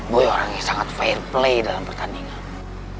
boy orang yang sangat fair play dalam pertandingan